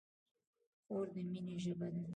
خور د مینې ژبه ده.